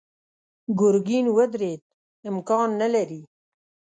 ګرګين ودرېد: امکان نه لري.